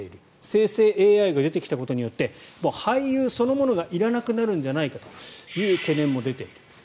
生成ＡＩが出てきたことによって俳優そのものがいらなくなるんじゃないかという懸念も出ている。